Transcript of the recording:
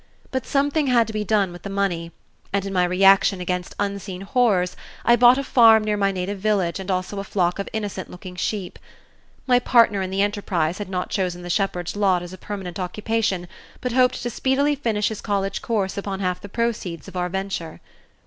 But something had to be done with the money, and in my reaction against unseen horrors I bought a farm near my native village and also a flock of innocent looking sheep. My partner in the enterprise had not chosen the shepherd's lot as a permanent occupation, but hoped to speedily finish his college course upon half the proceeds of our venture.